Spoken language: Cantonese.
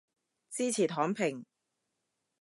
支持躺平